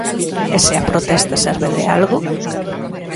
E se a protesta serve de algo?